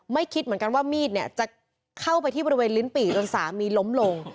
คิดเหมือนกันว่ามีดเนี่ยจะเข้าไปที่บริเวณลิ้นปี่จนสามีล้มลง